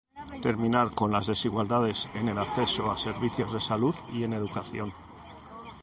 terminar con las desigualdades en el acceso a servicios de salud y en educación;